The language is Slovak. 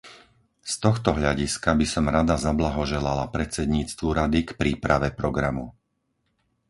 Z tohto hľadiska by som rada zablahoželala predsedníctvu Rady k príprave programu.